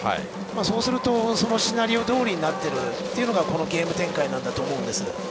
そうするとそのシナリオどおりになっているのがこのゲーム展開だと思います。